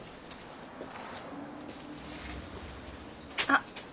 あっ！